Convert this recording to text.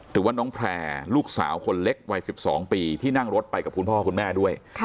หรือว่าน้องแพร่ลูกสาวคนเล็กวัย๑๒ปีที่นั่งรถไปกับคุณพ่อคุณแม่ด้วย